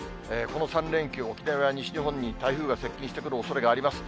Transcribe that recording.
この３連休、沖縄や西日本に台風が接近してくるおそれがあります。